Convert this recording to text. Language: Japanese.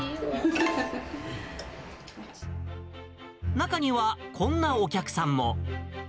中には、こんなお客さんも。